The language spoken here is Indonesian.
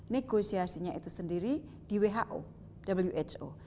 negosiasinya itu sendiri di who